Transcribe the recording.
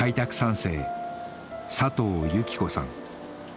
世佐藤友紀子さん